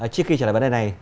trước khi trở lại vấn đề này